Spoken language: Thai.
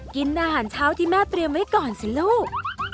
กินอาหารเช้าที่แม่เตรียมไว้ก่อนสิลูก